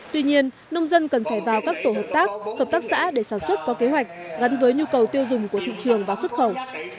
tuy nhiên nông dân cần phải vào các tổ hợp tác hợp tác xã để sản xuất có kế hoạch gắn với nhu cầu tiêu dùng của thị trường và xuất khẩu